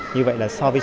như vậy là so với số